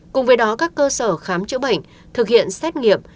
cùng với đó các cơ sở khám chữa bệnh thực hiện xét nghiệm